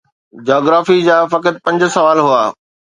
geography جا فقط پنج سوال هئا